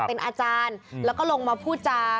เป็นอาจารย์แล้วก็ลงมาพูดจา